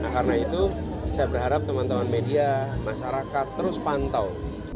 karena itu saya berharap teman teman media masyarakat terus pantau